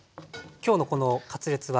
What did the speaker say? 今日のこのカツレツは。